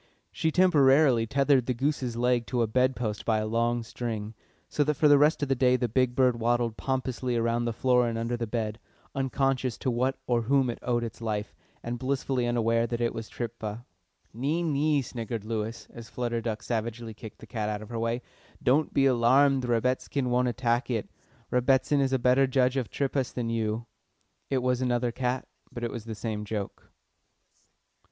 She temporarily tethered the goose's leg to a bed post by a long string, so that for the rest of the day the big bird waddled pompously about the floor and under the bed, unconscious to what or whom it owed its life, and blissfully unaware that it was tripha. "Nee, nee," sniggered Lewis, as Flutter Duck savagely kicked the cat out of her way. "Don't be alarmed, Rebbitzin won't attack it. Rebbitzin is a better judge of triphas than you." It was another cat, but it was the same joke.